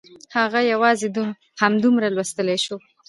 هغه یوازې همدومره لوستلی شو